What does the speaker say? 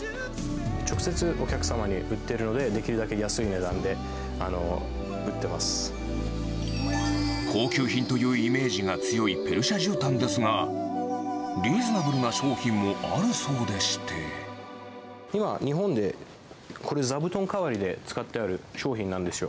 直接、お客様に売ってるので、高級品というイメージが強いペルシャじゅうたんですが、リーズナブルな商品もあるそうで今、日本でこれ、座布団代わりで使ってある商品なんですよ。